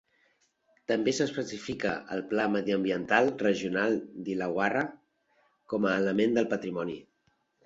També s'especifica al Pla Mediambiental Regional d'Illawarra com a element del patrimoni.